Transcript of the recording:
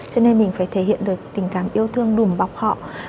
cho nên mình phải thể hiện được tình cảm yêu thương đùm bọc họ